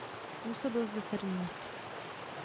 Působil zde sedm let.